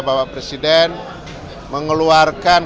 bapak presiden mengeluarkan